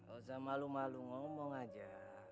udah malu malu ngomong aja